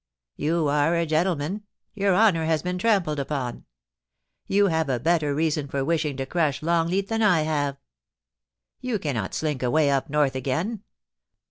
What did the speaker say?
You are a gentleman ; your honour has been trampled upon. You have a better reason for wishing to crush Longleat than I have. You cannot slink away up north again.